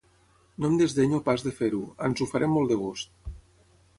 No em desdenyo pas de fer-ho, ans ho faré amb molt de gust.